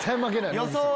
予想は？